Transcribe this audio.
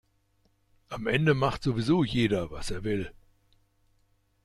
Am Ende macht sowieso jeder, was er will.